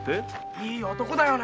いい男だよね。